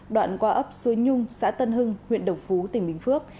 đoạn qua ấp suối nhung xã tân hưng huyện đồng phú tỉnh bình phước